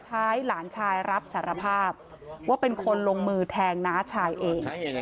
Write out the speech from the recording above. ท้ายหลานชายรับสารภาพว่าเป็นคนลงมือแทงน้าชายเอง